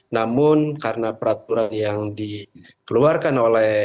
namun karena peraturan yang dikeluarkan oleh